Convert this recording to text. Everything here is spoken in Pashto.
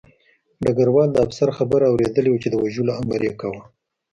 ډګروال د افسر خبره اورېدلې وه چې د وژلو امر یې کاوه